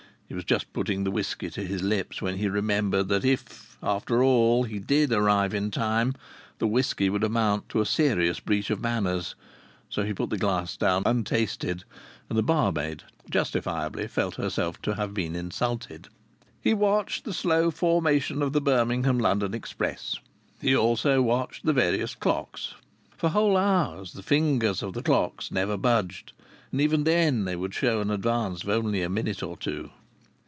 He was just putting the whisky to his lips when he remembered that if, after all, he did arrive in time, the whisky would amount to a serious breach of manners. So he put the glass down untasted, and the barmaid justifiably felt herself to have been insulted. He watched the slow formation of the Birmingham London express. He also watched the various clocks. For whole hours the fingers of the clocks never budged, and even then they would show an advance of only a minute or two.